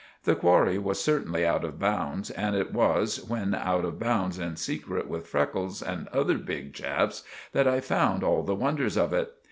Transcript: The qwarry was certainly out of bounds, and it was when out of bounds in secret with Freckles and other big chaps that I found all the wonders of it.